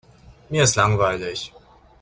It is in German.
Mir ist langweilig.